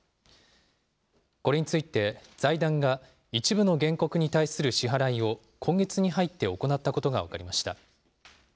これについて、財団が、一部の原告に対する支払いを今月に入って行ったことが分かりました。